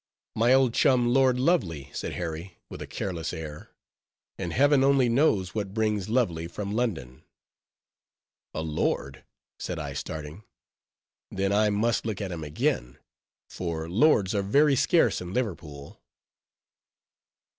"My old chum, Lord Lovely," said Harry, with a careless air, "and Heaven only knows what brings Lovely from London." "A lord?" said I starting; "then I must look at him again;" for lords are very scarce in Liverpool.